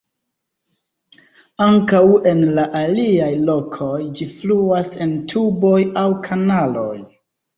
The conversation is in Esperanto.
Ankaŭ en la aliaj lokoj ĝi fluas en tuboj aŭ kanaloj.